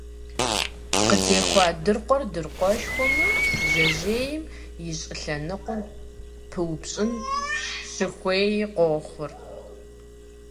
Къытехуа дыркъуэр дыркъуэшхуэмэ, жьэжьейм и щӏылъэныкъуэр пыупщӏын щыхуеи къохъур.